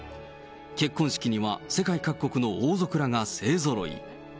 結婚式には世界各国の王族らが勢ぞろい。